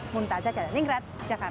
muntazah jalan inggrat jakarta